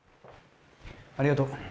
ありがとう。